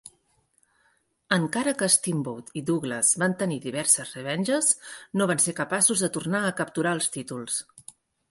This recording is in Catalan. Encara que Steamboat i Douglas van tenir diverses revenges, no van ser capaços de tornar a capturar els títols.